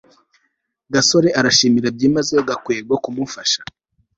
gasore arashimira byimazeyo gakwego kumufasha